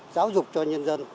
giáo dục cho nhân dân